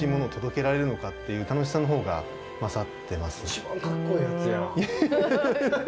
一番かっこええやつやん。